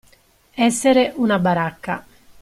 Essere una baracca.